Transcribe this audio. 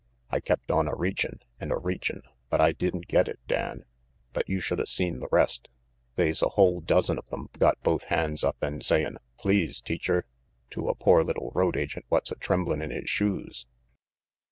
I kept on a reachin' and a reachin' but I didn't get it, Dan. But you shoulda seen the rest. They's a whole dozen of them got both hands up and sayin' * please, teacher' to a pore little road agent what's tremblin' in his shoes."